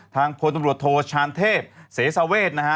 ทางโพลตังรวชโธชาณเทพเสศาเวชนะฮะ